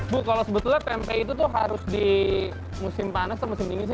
bu kalau sebetulnya tempe itu tuh harus di musim panas atau musim dingin sih